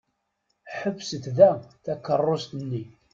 Ḥebset da takeṛṛust-nni.